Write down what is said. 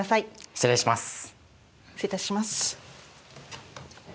失礼いたします。